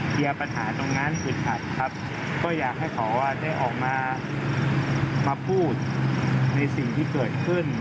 เพราะฉะนั้นคุณผัสครับก็อยากให้เขาได้ออกมามาพูดในสิ่งที่เกิดขึ้น